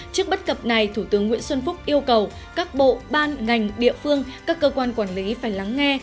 trước bất cập này thủ tướng nguyễn xuân phúc yêu cầu các bộ ban ngành địa phương các cơ quan quản lý phải lắng nghe